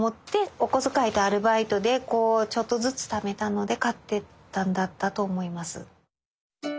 お小遣いとアルバイトでちょっとずつためたので買ってったんだったと思います。